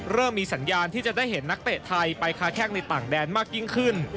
เริ่มมีสัญญาณที่จะได้เห็นนักเตะไทยไปค้าแข้งในต่างแดนมากยิ่งขึ้น